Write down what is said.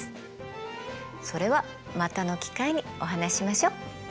それはまたの機会にお話ししましょう。